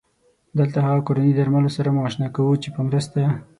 دلته هغه کورني درملو سره مو اشنا کوو چې په مرسته